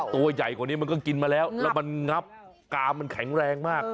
ตัวใหญ่กว่านี้มันก็กินมาแล้วแล้วมันงับกามมันแข็งแรงมาก